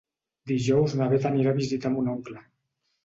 Dijous na Beth anirà a visitar mon oncle.